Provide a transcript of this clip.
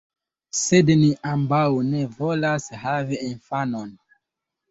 Sed ni ambaŭ ne volas havi infanon.